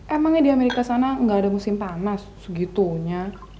emangnya di amerika sana nggak ada musim panas segitunya